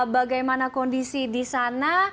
bagaimana kondisi di sana